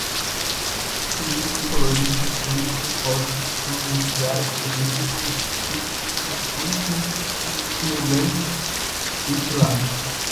cianídrico, clorídrico, fluorídrico, fosfórico, muriático, nítrico, sulfídrico, sulfúrico, fumegante, destilada